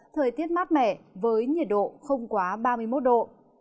thời tiết mát mẻ với nhiệt độ không quá ba mươi một độ